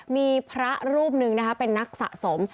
มีพระรูปหนึ่งนะคะเป็นนักสะสม